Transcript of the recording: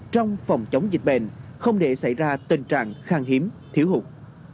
trong phòng chống dịch bệnh không để xảy ra tình trạng khang hiếm thiếu hụt